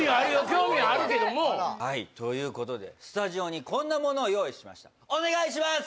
興味あるけどもはいということでスタジオにこんなものを用意しましたお願いします！